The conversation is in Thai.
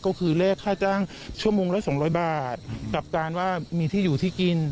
ก็คือแลกค่าจ้างชั่วโมงละ๒๐๐บาทกับการว่ามีที่อยู่ที่กิน